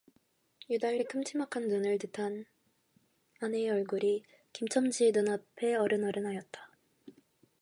유달리 큼직한 눈울 듯한 아내의 얼굴이 김첨지의 눈앞에 어른어른하였다.